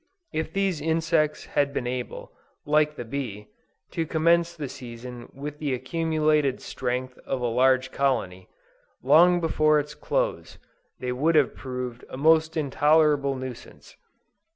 If these insects had been able, like the bee, to commence the season with the accumulated strength of a large colony, long before its close, they would have proved a most intolerable nuisance.